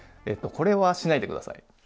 これはしないで下さい。